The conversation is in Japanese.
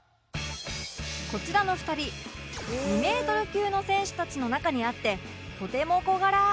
こちらの２人２メートル級の選手たちの中にあってとても小柄